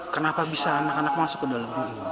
kenapa bisa anak anak masuk ke dalam